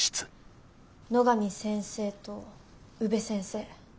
野上先生と宇部先生。